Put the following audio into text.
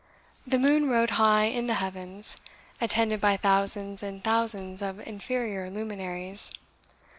The moon rode high in the heavens, attended by thousands and thousands of inferior luminaries.